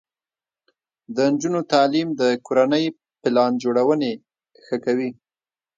د نجونو تعلیم د کورنۍ پلان جوړونې ښه کوي.